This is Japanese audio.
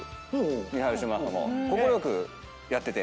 ミハエル・シューマッハも快くやってて。